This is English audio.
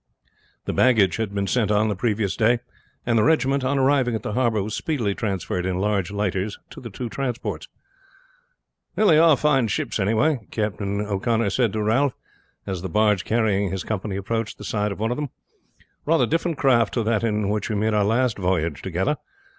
The baggage had been sent on the previous day, and the regiment on arriving at the harbor was speedily transferred in large lighters to the two transports. "They are two fine ships, anyhow," Captain O'Connor said to Ralph as the barge carrying his company approached the side of one of them. "Rather different craft to that in which we made our last voyage together.